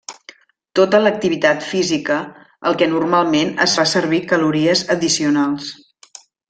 Tota l'activitat física al que normalment es fa servir calories addicionals.